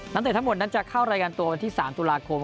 เตะทั้งหมดนั้นจะเข้ารายการตัววันที่๓ตุลาคม